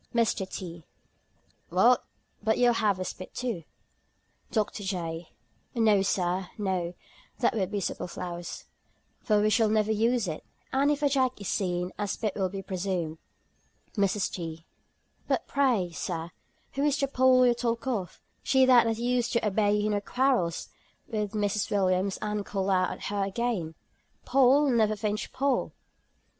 MR. T. "Well, but you'll have a spit too." DR. J. "No, Sir, no; that would be superfluous; for we shall never use it; and if a jack is seen, a spit will be presumed." MRS. T. "But pray, Sir, who is the Poll you talk of? She that you used to abet in her quarrels with Mrs. Williams, and call out, _At her again, Poll! Never flinch, Poll!